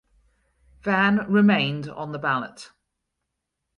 Vann remained on the ballot.